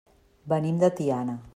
Venim de Tiana.